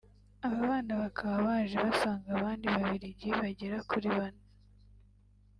Aba bana bakaba baje basanga abandi Babiligi bagera kuri bane